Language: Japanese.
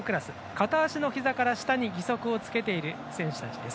片足のひざから下に義足をつけている選手たちです。